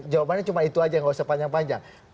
jawabannya cuma itu aja nggak usah panjang panjang